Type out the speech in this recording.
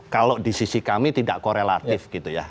kalau di sisi kami tidak korelatif gitu ya